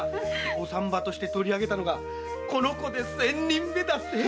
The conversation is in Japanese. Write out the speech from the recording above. お産婆として取りあげたのがこの子で千人目だって？